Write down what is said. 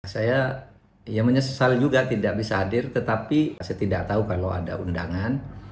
saya menyesal juga tidak bisa hadir tetapi saya tidak tahu kalau ada undangan